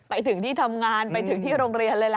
ไปถึงที่ทำงานไปถึงที่โรงเรียนเลยล่ะ